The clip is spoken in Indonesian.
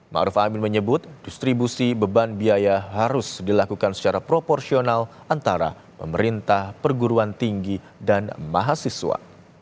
⁇ ruf amin menyebut distribusi beban biaya harus dilakukan secara proporsional antara pemerintah perguruan tinggi dan mahasiswa